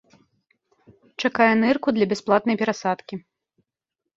Чакае нырку для бясплатнай перасадкі.